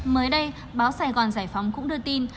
mới đây báo sài gòn giải phóng cũng đưa tin